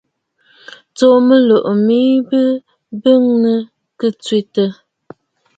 Tsuu mɨlɔ̀ʼɔ̀ mɨ bə̂ bîmɔʼɔ kɨ twitə̂.